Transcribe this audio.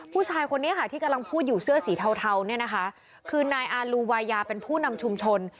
ผู้ชายคนนี้ค่ะที่กำลังพูดอยู่เสื้อสีเทาเนี่ยนะคะคือนายอาลูวายาเป็นผู้นำชุมชน